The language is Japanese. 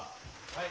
はい。